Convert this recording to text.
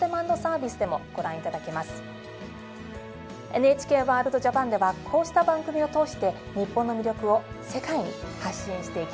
「ＮＨＫワールドＪＡＰＡＮ」ではこうした番組を通して日本の魅力を世界に発信していきます。